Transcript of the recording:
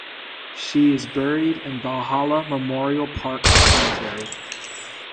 She is buried in Valhalla Memorial Park Cemetery.